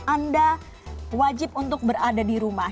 anda wajib untuk berada di rumah